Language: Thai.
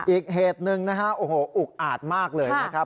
อีกเหตุหนึ่งนะฮะโอ้โหอุกอาจมากเลยนะครับ